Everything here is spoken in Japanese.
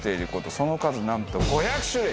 その数なんと５００種類！